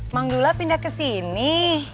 mang dula pindah kesini